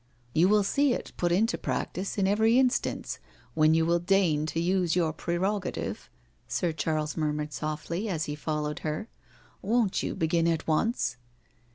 " You shall see it put into practice in every instance when you will deign to use your prerogative," Sir Charles murmured softly, as he followed her. " Won't you begin at once?"